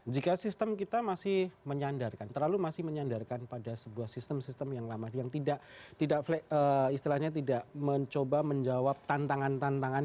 jika sistem kita masih menyandarkan terlalu masih menyandarkan pada sebuah sistem sistem yang lama yang tidak istilahnya tidak mencoba menjawab tantangan tantangan